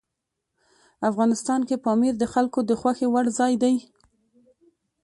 افغانستان کې پامیر د خلکو د خوښې وړ ځای دی.